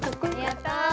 やった！